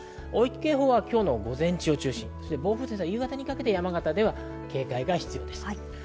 大雪警報は今日の午前中、暴風雪は夕方にかけて山形では警戒が必要です。